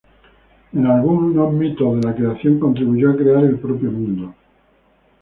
En algunos mitos de la creación contribuyó a crear el propio mundo.